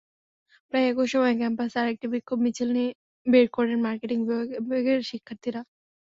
প্রায় একই সময়ে ক্যাম্পাসে আরেকটি বিক্ষোভ মিছিল বের করেন মার্কেটিং বিভাগের শিক্ষার্থীরা।